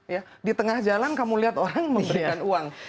ya di tengah jalan kamu lihat orang memberikan uang